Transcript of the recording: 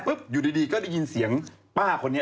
อยู่ดีก็ได้ยินเสียงป้าคนนี้